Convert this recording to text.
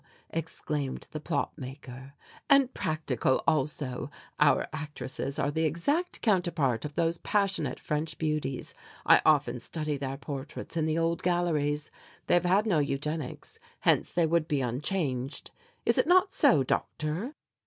exclaimed the plot maker; "and practical also. Our actresses are the exact counterpart of those passionate French beauties. I often study their portraits in the old galleries. They have had no Eugenics, hence they would be unchanged. Is it not so, Doctor?"